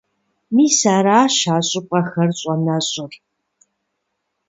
Мис аращ а щӀыпӀэхэр щӀэнэщӀыр.